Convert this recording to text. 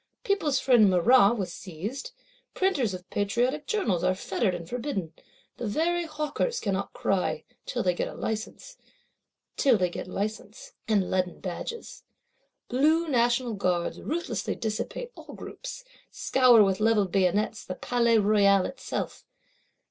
People's Friend Marat was seized; Printers of Patriotic Journals are fettered and forbidden; the very Hawkers cannot cry, till they get license, and leaden badges. Blue National Guards ruthlessly dissipate all groups; scour, with levelled bayonets, the Palais Royal itself.